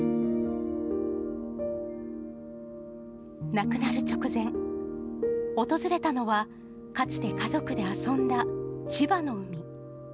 亡くなる直前、訪れたのは、かつて家族で遊んだ千葉の海。